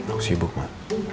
aku sibuk mak